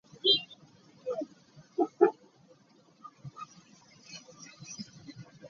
Omwana yawayiriza munne okumusobyaako